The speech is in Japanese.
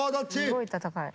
すごい戦い。